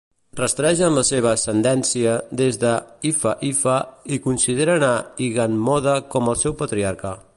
Rastregen la seva ascendència des de Ife-Ife i consideren a Iganmode com el seu patriarca.